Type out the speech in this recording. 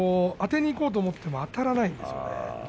ていこうと思ってもあたらないんです。